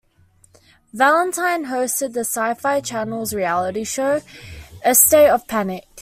Valentine hosted the Sci-Fi Channel's reality show "Estate of Panic".